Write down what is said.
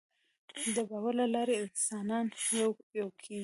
د باور له لارې انسانان یو کېږي.